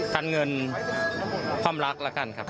การเงินความรักแล้วกันครับ